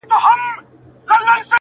ځكه انجوني وايي له خالو سره راوتي يــو,